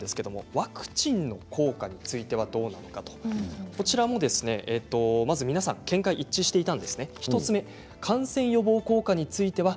ワクチンの効果についてはどうなのかこちらも皆さんの見解が一致していました。